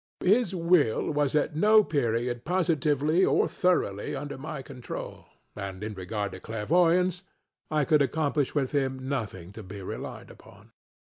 His will was at no period positively, or thoroughly, under my control, and in regard to clairvoyance, I could accomplish with him nothing to be relied upon.